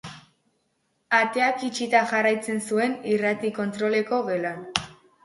Ateak itxita jarraitzen zuen irrati kontroleko gelan.